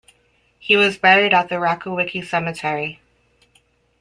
He was buried at the Rakowicki Cemetery.